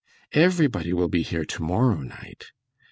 "Everybody will be here to morrow night."